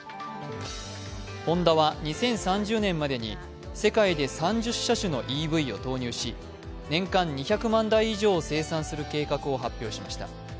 ホンダは２０３０年までに世界で３０車種のＥＶを投入し、年間２００万台以上を生産する計画を発表しました。